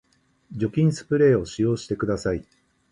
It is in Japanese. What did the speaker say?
除菌スプレーを使用してください